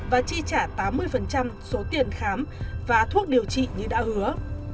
và chi trả tám mươi số tiền khám và thuốc điều trị như đã hứa